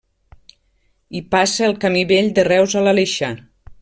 Hi passa el camí Vell de Reus a l'Aleixar.